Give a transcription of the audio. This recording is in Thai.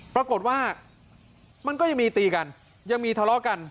ปรากฏว่ามันก็ยังมีตีกันยังมีทะเลาะกัน